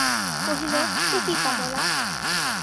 কহিল, একি কমলা!